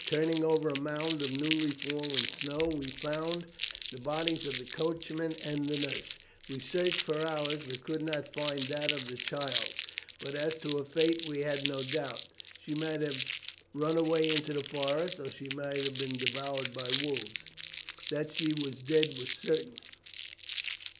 Turning over a mound of newly fallen snow, we found the bodies of the coachman and the nurse. We searched for hours, but could not find that of the child; but as to her fate we had no doubt. She might have run away into the forest, or she might have been devoured by wolves. That she was dead was certain.